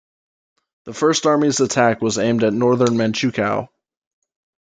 The First Army's attack was aimed at northern Manchukuo.